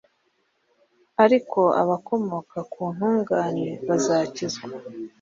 ariko abakomoka ku ntungane bazakizwa